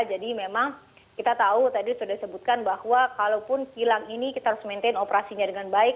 jadi memang kita tahu tadi sudah disebutkan bahwa kalaupun hilang ini kita harus maintain operasinya dengan baik